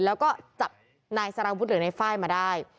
แล้วก็จับนายสาราวุฒิพันอาหารหรือในฝ้ายมาได้